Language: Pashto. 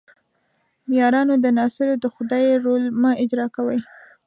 یارانو د ناصرو د خدۍ رول مه اجراء کوئ.